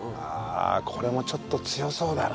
これもちょっと強そうだな。